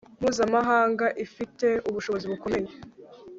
mpuzamahanga ifite ubushobozi bukomeye